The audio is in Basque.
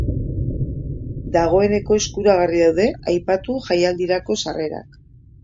Dagoeneko eskuragarri daude aipatu jaialdirako sarrerak.